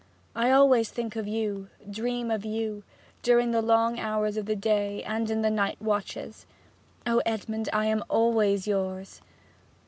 I always think of you dream of you during the long hours of the day, and in the night watches! O Edmond, I am always yours!'